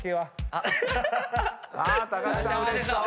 木さんうれしそう！